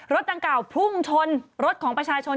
ดังกล่าวพุ่งชนรถของประชาชน